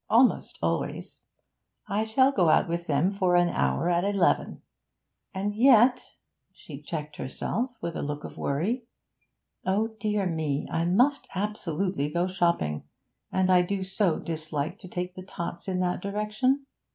almost always! I shall go out with them for an hour at eleven. And yet' she checked herself, with a look of worry 'oh, dear me! I must absolutely go shopping, and I do so dislike to take the tots in that direction.